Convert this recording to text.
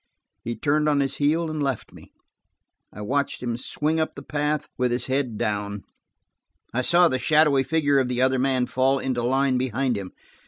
He turned on his heel and left me. I watched him swing up the path, with his head down; I saw the shadowy figure of the other man fall into line behind him.